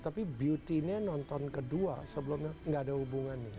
tapi beautynya nonton kedua sebelumnya nggak ada hubungannya